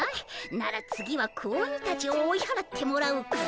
なら次は子鬼たちを追いはらってもらおうか？